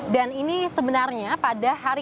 dan ini sebenarnya pada hari